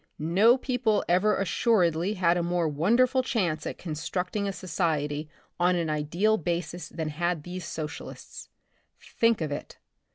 No people ever assuredly had a more wonderful chance at constructing a society on an ideal basis than had these social ists. Think of it